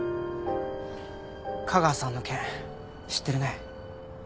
架川さんの件知ってるね？